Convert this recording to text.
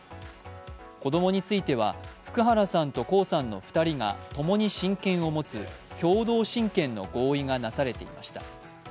子供については、福原さんと江さんの２人が共に親権を持つ共同親権の合意がなされていました。